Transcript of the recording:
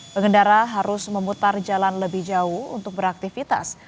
pengendara harus memutar jalan lebih jauh untuk beraktivitas